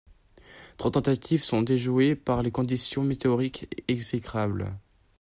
Trois tentatives sont déjouées par les conditions météorologiques exécrables.